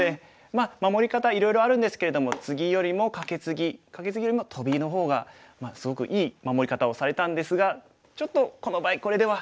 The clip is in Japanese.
まあ守り方はいろいろあるんですけれどもツギよりもカケツギカケツギよりもトビの方がすごくいい守り方をされたんですがちょっとこの場合これでは。